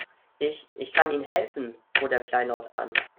Ich, ich kann Ihnen helfen, bot er kleinlaut an.